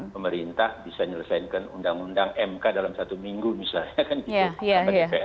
pemerintah bisa menyelesaikan undang undang mk dalam satu minggu misalnya kan gitu